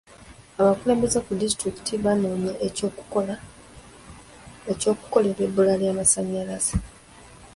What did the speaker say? Abakulembeze ku disitulikiti banoonya eky'okukolera ebbula ly'amasannyalaze.